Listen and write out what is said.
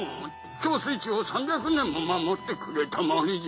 貯水池を３００年も守ってくれた森じゃ。